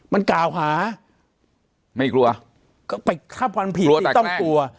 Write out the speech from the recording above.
มันกล่าวหาไม่กลัวก็ไปถ้าความผิดที่ต้องกลัว